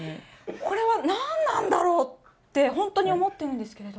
これは何なんだろうって、本当に思ってるんですけれど。